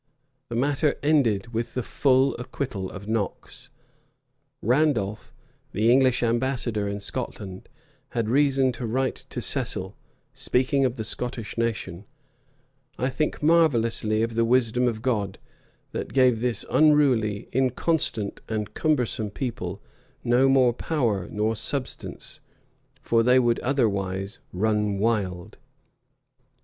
The matter ended with the full acquittal of Knox.[] Randolph, the English ambassador in Scotland, had reason to write to Cecil, speaking of the Scottish nation, "I think marvellously of the wisdom of God, that gave this unruly, inconstant, and cumbersome people no more power nor substance; for they would otherwise run wild."